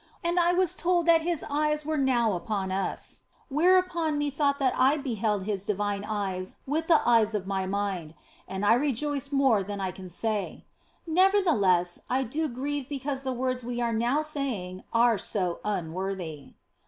And I was told that His eyes were now upon us ; whereupon methought that I beheld His divine eyes with the eyes of my mind, and I rejoiced more than I can say. Nevertheless, I do grieve because the words we are now saying are so unworthy.